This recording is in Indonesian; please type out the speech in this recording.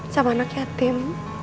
sama anak yatim